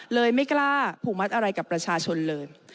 ไม่กล้าผูกมัดอะไรกับประชาชนเลย